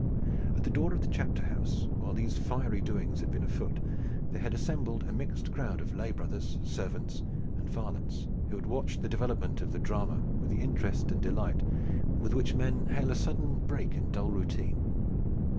At the door of the chapter house, while these fiery doings had been afoot, there had assembled a mixed crowd of lay brothers, servants and varlets who had watched the development of the drama with the interest and delight with which men hail a sudden break in a dull routine.